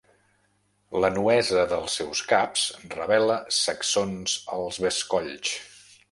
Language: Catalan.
La nuesa dels seus caps revela sacsons als bescolls.